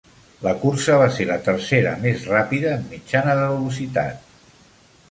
La cursa va ser la tercera mes ràpida en mitjana de velocitat.